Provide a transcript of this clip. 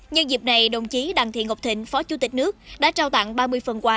nhân dịp này đồng chí đặng thị ngọc thịnh phó chủ tịch nước đã trao tặng ba mươi phần quà